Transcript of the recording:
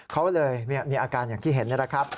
เขาเลยมีอาการอย่างที่เห็นนี่แหละครับ